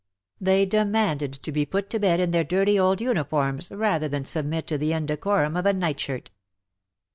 They de manded to be put to bed in their dirty old uniforms rather than submit to the indecorum of a night shirt.